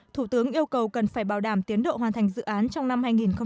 thủ tướng yêu cầu cần phải bảo đảm tiến độ hoàn thành dự án trong năm hai nghìn hai mươi